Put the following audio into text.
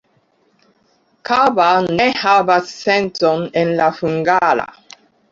Kaba ne havas sencon en la hungara.